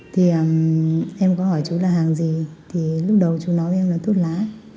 thì em có hỏi chú là hàng gì thì lúc đầu chú nói em là thuốc lá